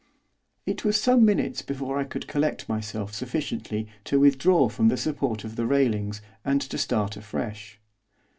It was some minutes before I could collect myself sufficiently to withdraw from the support of the railings, and to start afresh.